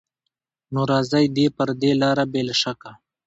نو راځي دې پر دې لاره بې له شکه